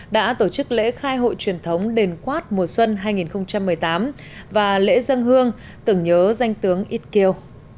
đã tổ chức lễ khai hội truyền thống đền khoát mùa xuân hai nghìn một mươi tám và lễ dân hương tưởng nhớ danh tướng ít kiêu